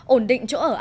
ổn định chỗ ở ăn ăn